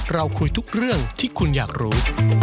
เราคุยทุกเรื่องที่คุณอยากรู้